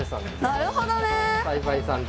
なるほどね！